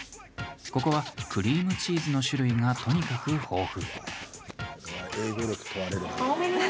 ここはクリームチーズの種類がとにかく豊富。